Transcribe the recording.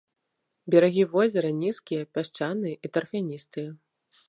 Берагі возера нізкія, пясчаныя і тарфяністыя.